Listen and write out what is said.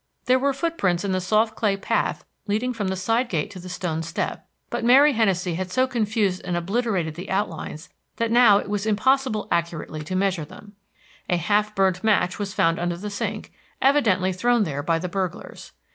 There were footprints in the soft clay path leading from the side gate to the stone step; but Mary Hennessey had so confused and obliterated the outlines that now it was impossible accurately to measure them. A half burned match was found under the sink, evidently thrown there by the burglars.